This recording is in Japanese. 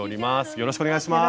よろしくお願いします。